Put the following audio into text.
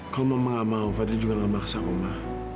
kalau mama gak mau fadil juga gak maksak ma